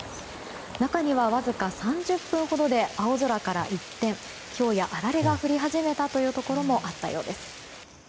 中には、わずか３０分ほどで青空から一転ひょうやあられが降り始めたというところもあったようです。